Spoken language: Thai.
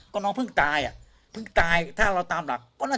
ก็ตายปึ่งก็ตามหลักก็จะเป็น